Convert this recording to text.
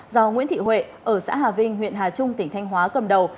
do nguyễn thị huệ ở xã hà vinh huyện hà trung tỉnh thanh hóa cầm đầu